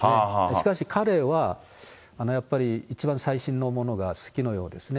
しかし彼は、やっぱり一番最新のものが好きのようですね。